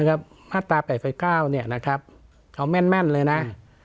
นะครับมาตราแปดสิบเก้าเนี้ยนะครับเขาแม่นแม่นเลยน่ะอืม